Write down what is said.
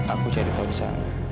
aku cari tahu sana